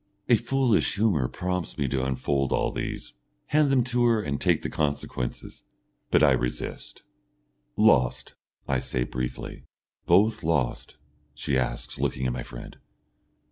A foolish humour prompts me to unfold all these, hand them to her and take the consequences, but I resist. "Lost," I say, briefly. "Both lost?" she asks, looking at my friend.